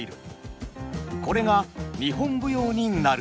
これが日本舞踊になると。